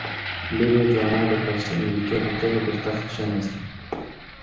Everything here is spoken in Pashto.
لور یې جوانا د کاسټل ملکې په توګه پر تخت کېناسته.